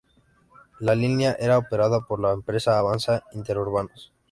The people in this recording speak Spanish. La línea era operada por la empresa Avanza Interurbanos.